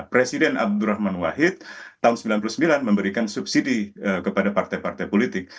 presiden abdurrahman wahid tahun seribu sembilan ratus sembilan puluh sembilan memberikan subsidi kepada partai partai politik